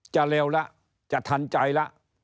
เร็วแล้วจะทันใจแล้ว